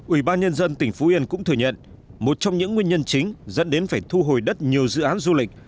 ủy ban nhân dân tỉnh phú yên cũng thừa nhận một trong những nguyên nhân chính dẫn đến phải thu hồi đất nhiều dự án du lịch